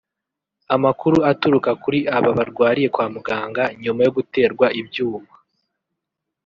Amakuru aturuka kuri aba barwariye kwa muganga nyuma yo guterwa ibyuma